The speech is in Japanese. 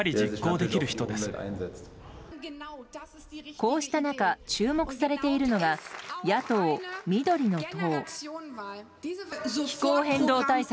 こうした中注目されているのが野党・緑の党。